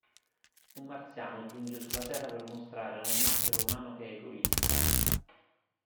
Un marziano giunge sulla Terra per mostrare a un essere umano che è egoista.